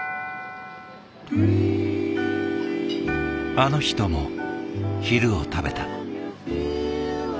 あの人も昼を食べた。